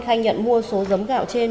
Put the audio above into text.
khai nhận mua số giấm gạo trên